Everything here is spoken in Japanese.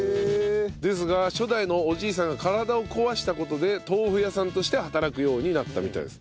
ですが初代のおじいさんが体を壊した事で豆腐屋さんとして働くようになったみたいです。